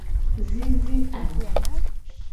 Zizi abi.